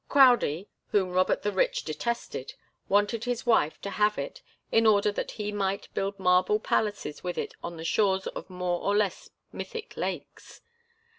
Crowdie, whom Robert the Rich detested, wanted his wife to have it in order that he might build marble palaces with it on the shores of more or less mythic lakes.